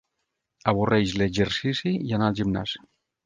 Avorreix l'exercici i anar al gimnàs.